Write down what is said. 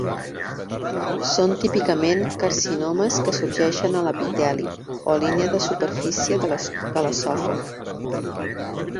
Són típicament carcinomes que sorgeixen de l'epiteli, o línia de superfície de l'esòfag.